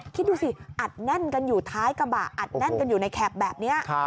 คิดดูสิอัดแน่นกันอยู่ท้ายกระบะอัดแน่นกันอยู่ในแคบแบบนี้